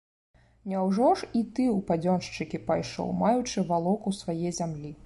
Няўжо ж і ты ў падзёншчыкі пайшоў, маючы валоку свае зямлі?